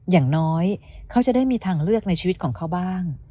อย่างน้อยเขาจะได้มีทางเลือกในชีวิตของเขาบ้าง